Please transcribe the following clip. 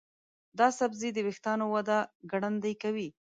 دا سبزی د ویښتانو وده ګړندۍ کوي.